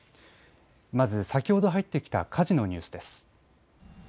まず先ほど入ってきた火事のニュースです。